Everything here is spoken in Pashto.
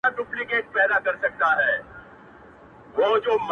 هر اندام یې د ښکلا په تول تللی؛